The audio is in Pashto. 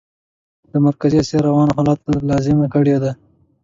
د مرکزي اسیا روانو حالاتو دا لازمه کړې ده.